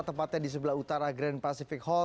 tepatnya di sebelah utara grand pacific hall